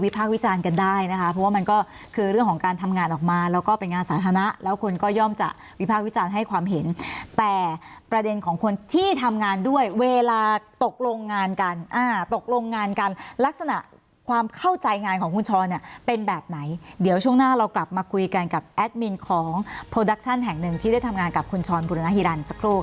เวลาตกลงงานกันตกลงงานกันลักษณะความเข้าใจงานของคุณชรเนี่ยเป็นแบบไหนเดี๋ยวช่วงหน้าเรากลับมาคุยกันกับแอดมินของโพรดัคชั่นแห่งหนึ่งที่ได้ทำงานกับคุณชรบุรณฮิรันทร์สักครู่ค่ะ